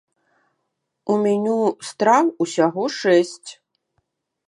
У меню страў усяго шэсць.